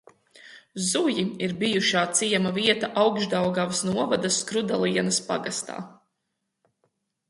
Zuji ir bijušā ciema vieta Augšdaugavas novada Skrudalienas pagastā.